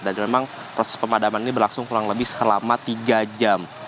dan memang proses pemadaman ini berlangsung kurang lebih selama tiga jam